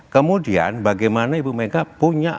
kemudian bagaimana ibu mega punya